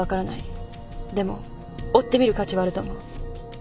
でも追ってみる価値はあると思う。